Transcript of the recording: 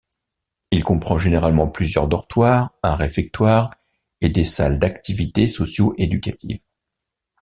Il comprend généralement plusieurs dortoirs, un réfectoire et des salles d’activité socio-éducative.